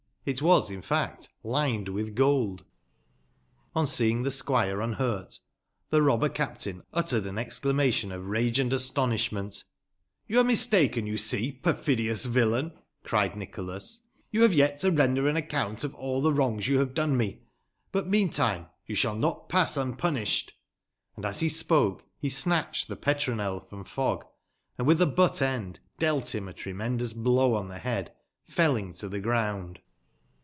It was, in tact, lined witb gold. On seeing tbe squire unburt, tbe robber captain uttered an exclamation of rage and astonisbment. " You are mistaken, you see, perfidious villain," cried Nicbolas. " You bave yet to render an account of all tbe wrongs you bave done me, but meantime you sball not pass unpunisbed." And as be spoke, be snatcbed tbe petronel from Fogg, and witb tbe butt end dealt bim a tremendous blow on tbe bead, felling to tbe ground.